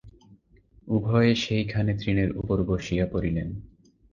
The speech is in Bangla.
উভয়ে সেই খানে তৃণের উপর বসিয়া পড়িলেন।